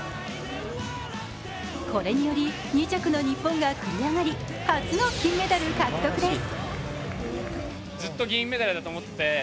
これにより２着の日本が繰り上がり初の金メダル獲得です。